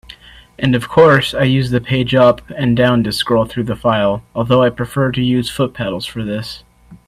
And of course I use page up and down to scroll through the file, although I prefer to use foot pedals for this.